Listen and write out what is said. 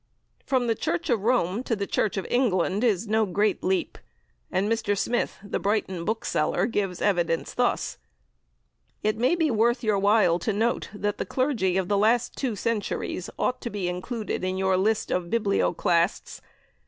From the Church of Rome to the Church of England is no great leap, and Mr. Smith, the Brighton bookseller, gives evidence thus: "It may be worth your while to note that the clergy of the last two centuries ought to be included in your list (of Biblioclasts).